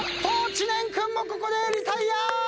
知念君もここでリタイア！